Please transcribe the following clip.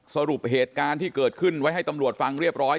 สรุปเหตุการณ์ที่เกิดขึ้นไว้ให้ตำรวจฟังเรียบร้อย